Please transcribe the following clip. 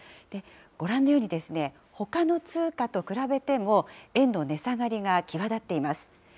ご覧のように、ほかの通貨と比べても、円の値下がりが際立っています。